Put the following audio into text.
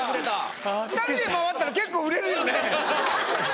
２人で回ったら結構売れるよね。